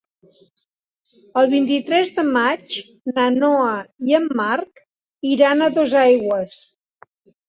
El vint-i-tres de maig na Noa i en Marc iran a Dosaigües.